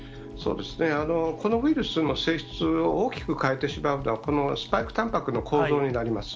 このウイルスの性質を大きく変えてしまうのは、このスパイクタンパクの構造になります。